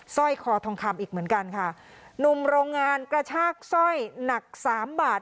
ร้อยคอทองคำอีกเหมือนกันค่ะหนุ่มโรงงานกระชากสร้อยหนักสามบาท